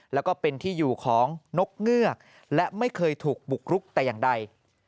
แล้วก็เป็นที่อยู่ของนกเงือกและไม่เคยถูกบุกรุกแต่อย่างใด